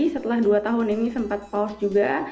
setelah dua tahun ini sempat post juga